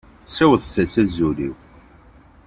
Siwḍet-as azul-iw.